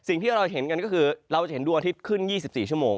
สิ่งที่เราเห็นกันก็คือเราจะเห็นดวงอาทิตย์ขึ้น๒๔ชั่วโมง